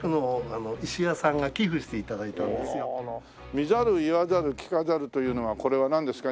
見ざる言わざる聞かざるというのはこれはなんですか？